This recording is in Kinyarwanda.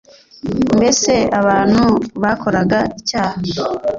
mbese abantu bakoraga icyaha